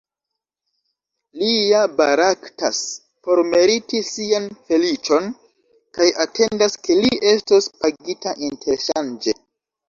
Li ja baraktas por meriti sian feliĉon, kaj atendas ke li estos pagita interŝanĝe.